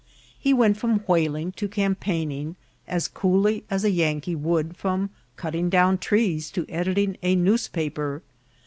He went from whaling to cam paigning as coolly as a Yankee would from cutting down trees to editing a newspaper.